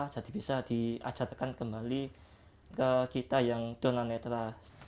jadi bisa diajarkan kembali ke kita yang tunanetra